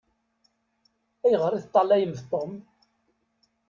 Ayɣeṛ i teṭṭalayemt Tom?